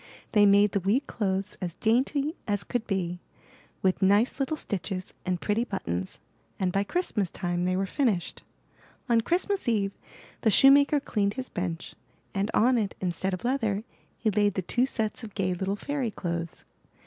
They made the wee clothes as dainty as could be, with nice little stitches and pretty buttons; and by Christmas time, they were finished. On Christmas eve, the shoemaker cleaned his bench, and on it instead of leather, he laid the two sets of gay little fairy clothes.